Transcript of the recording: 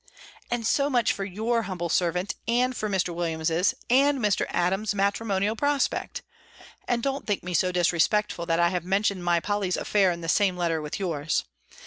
And so much for your humble servant; and for Mr. Williams's and Mr. Adams's matrimonial prospect; and don't think me so disrespectful, that I have mentioned my Polly's affair in the same letter with yours.